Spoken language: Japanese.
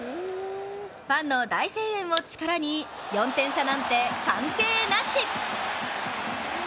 ファンの大声援を力に４点差なんて関係なし。